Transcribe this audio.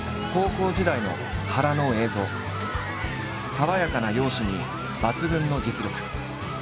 爽やかな容姿に抜群の実力。